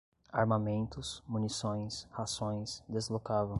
armamentos, munições, rações, deslocavam